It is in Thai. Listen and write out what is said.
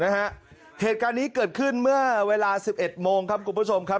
เหตุการณ์นี้เกิดขึ้นเมื่อเวลา๑๑โมงครับกลุ่มผู้ชมครับ